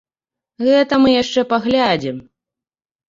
Гэта мы яшчэ паглядзім!